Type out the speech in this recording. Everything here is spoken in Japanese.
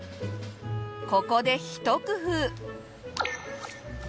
ここでひと工夫！